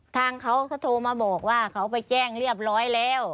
ทางเขาเขาโทรมาบอกว่าเขาไปแจ้งเรียบร้อยแล้ว